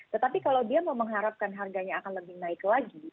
tetapi kalau dia mau mengharapkan harganya akan lebih naik lagi